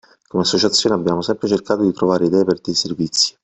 Come associazione abbiamo sempre cercato di trovare idee per dei servizi.